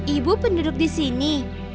ibu penduduk disini